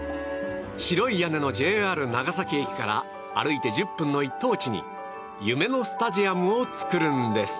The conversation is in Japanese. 白い屋根のＪＲ長崎駅から歩いて１０分の一等地に夢のスタジアムを造るんです。